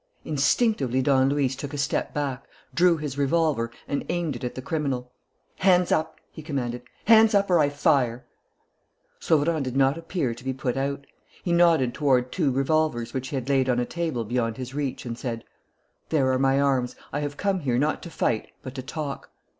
Instinctively, Don Luis took a step back, drew his revolver, and aimed it at the criminal: "Hands up!" he commanded. "Hands up, or I fire!" Sauverand did not appear to be put out. He nodded toward two revolvers which he had laid on a table beyond his reach and said: "There are my arms. I have come here not to fight, but to talk."